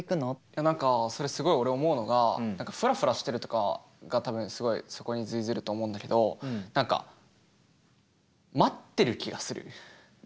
いや何かそれすごい俺思うのがフラフラしてるとかが多分すごいそこに通ずると思うんだけど何か待ってる気がする。